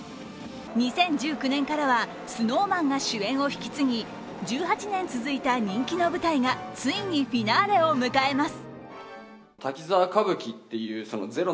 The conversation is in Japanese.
２０１９年からはＳｎｏｗＭａｎが主演を引き継ぎ１８年続いた人気の舞台がついにフィナーレを迎えます。